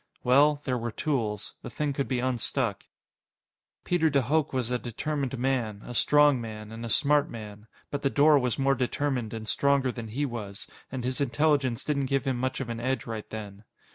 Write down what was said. Well, there were tools. The thing could be unstuck. Peter de Hooch was a determined man, a strong man, and a smart man. But the door was more determined and stronger than he was, and his intelligence didn't give him much of an edge right then.